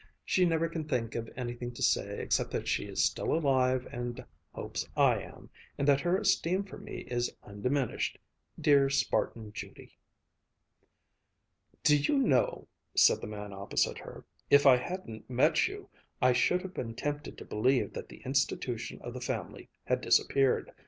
She never can think of anything to say except that she is still alive and hopes I am, and that her esteem for me is undiminished. Dear Spartan Judy!" "Do you know," said the man opposite her, "if I hadn't met you, I should have been tempted to believe that the institution of the family had disappeared.